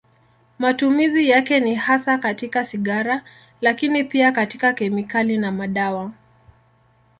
Matumizi yake ni hasa katika sigara, lakini pia katika kemikali na madawa.